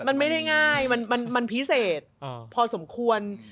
มันไม่ได้ง่ายมันพิเศษพอสมควร